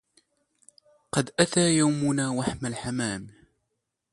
قد أتى يومنا وحم الحمام